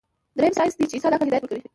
دريم سائنس دے چې انسان ته د عقل هدايت ورکوي